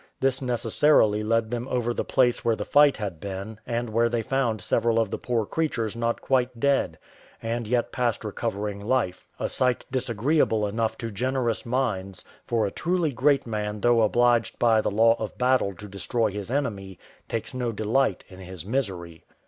This necessarily led them over the place where the fight had been, and where they found several of the poor creatures not quite dead, and yet past recovering life; a sight disagreeable enough to generous minds, for a truly great man though obliged by the law of battle to destroy his enemy, takes no delight in his misery.